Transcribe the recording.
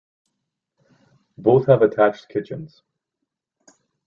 Both have attached kitchens.